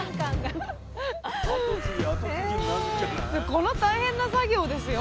この大変な作業をですよ